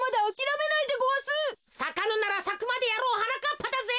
さかぬならさくまでやろうはなかっぱだぜ。